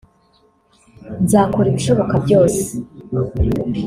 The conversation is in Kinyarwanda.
nzakora ibishoboka byose